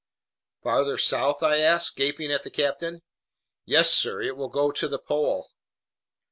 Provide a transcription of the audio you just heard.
"Farther south?" I asked, gaping at the captain. "Yes, sir, it will go to the pole."